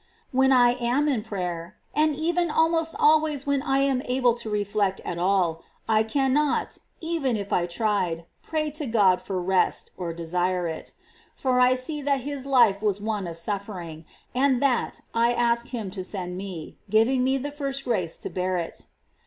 20. When I am in prayer, and even almost always ^.^. i '''"^ Resignation when I am able to reflect at all, I cannot, even if I to the wui of God. tried, pray to God for rest, or desire it ; for I see that His life was one of sufiPering, and that I ask Him to send me, giving me first the grace to bear it.